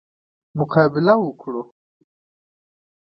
مقابله وکړو.